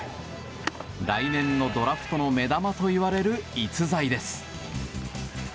来年のドラフトの目玉といわれる逸材です。